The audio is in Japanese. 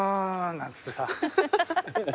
なんつってさ。